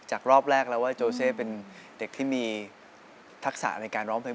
รอบแรกแล้วว่าโจเซเป็นเด็กที่มีทักษะในการร้องเพลง